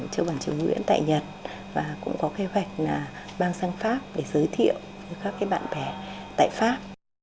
châu bản triều nguyễn tại nhật và cũng có kế hoạch mang sang pháp để giới thiệu với các bạn bè tại pháp